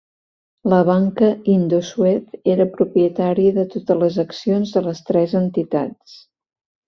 La banca Indosuez era propietària de totes les accions de les tres entitats.